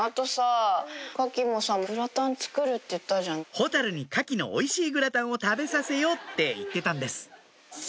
ほたるにカキのおいしいグラタンを食べさせようって言ってたんです